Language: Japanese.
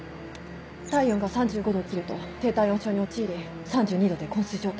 体温が３５℃を切ると低体温症に陥り３２℃で昏睡状態。